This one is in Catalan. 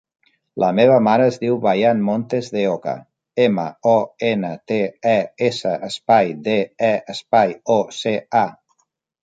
La meva mare es diu Bayan Montes De Oca: ema, o, ena, te, e, essa, espai, de, e, espai, o, ce, a.